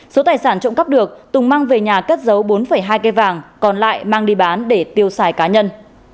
số tài sản trộm cắp được tùng mang về nhà cất giấu bốn hai cây vàng còn lại mang đi bán để tiêu xài cá nhân